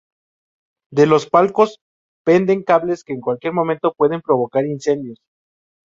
De los palcos penden cables que en cualquier momento pueden provocar incendios.